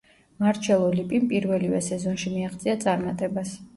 მარჩელო ლიპიმ პირველივე სეზონში მიაღწია წარმატებას.